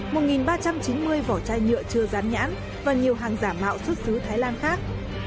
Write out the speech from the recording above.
một ba trăm chín mươi vỏ chai nhựa chưa rán nhãn và nhiều hàng giả mạo xuất xứ thái lan khác